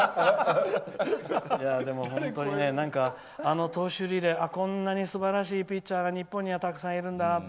でも、本当にあの投手リレーこんなにすばらしい投手が日本にいるんだなって。